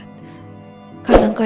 terima kasih bu